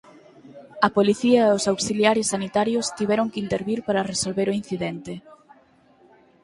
A policía e os auxiliares sanitarios tiveron que intervir para resolver o incidente.